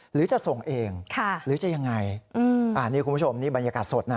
หรือจะส่งเองหรือจะยังไงนี่คุณผู้ชมนี่บรรยากาศสดนะ